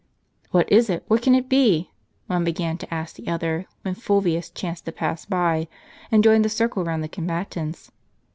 "What is it? what can it be?" one began to ask the other; wlien Fulvius chanced to pass by, and joined the circle round the combatants.